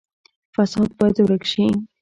فساد باید ورک شي